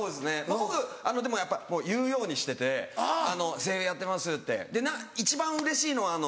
僕でも言うようにしてて「声優やってます」って。一番うれしいのは。